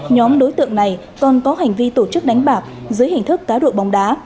nhóm đối tượng này còn có hành vi tổ chức đánh bạc dưới hình thức cá độ bóng đá